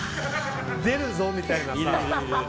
出るぞみたいなさ。